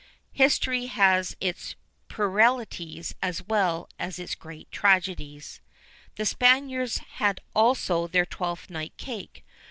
History has its puerilities as well as its great tragedies. The Spaniards had also their Twelfth night cake.